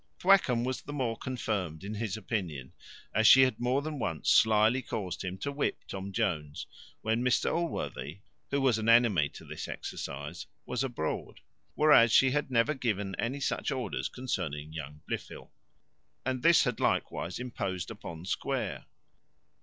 Thwackum was the more confirmed in his opinion, as she had more than once slily caused him to whip Tom Jones, when Mr Allworthy, who was an enemy to this exercise, was abroad; whereas she had never given any such orders concerning young Blifil. And this had likewise imposed upon Square.